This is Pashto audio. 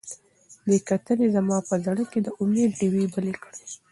دې کتنې زما په زړه کې د امید ډیوې بلې کړې.